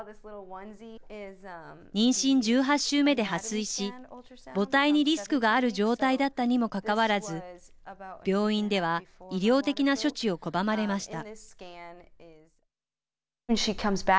妊娠１８週目で破水し母体にリスクがある状態だったにもかかわらず病院では医療的な処置を拒まれました。